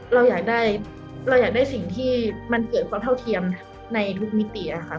เราอยากได้สิ่งที่มันเกิดความเท่าเทียมในทุกมิตินะโคระ